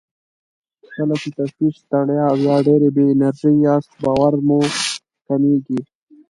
کله چې تشویش، ستړی او يا ډېر بې انرژي ياست باور مو کمېږي.